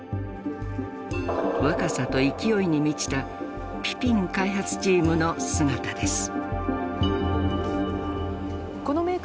若さと勢いに満ちたピピン開発チームの姿です。